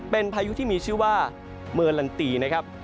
เป็นพายุที่มีชื่อว่าเมอร์ลันตีนะครับ